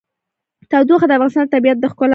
تودوخه د افغانستان د طبیعت د ښکلا برخه ده.